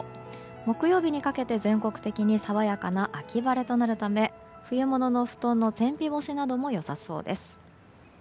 木曜日にかけて全国的に爽やかな秋晴れとなるため冬物の布団の天日干しなどもよさそうです。